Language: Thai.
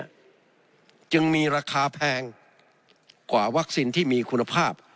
จึงมีราคาแพงกว่าวัคซีนที่มีคุณภาพ